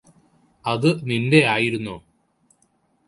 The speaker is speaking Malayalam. അത് നിന്റെ ആയിരുന്നോ